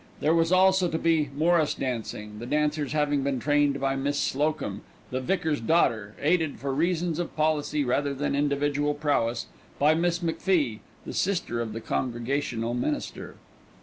There was also to be Morris dancing, the dancers having been trained by Miss Slocum, the vicar's daughter, aided, for reasons of policy rather than individual prowess, by Miss McFie, the sister of the Congregational minister.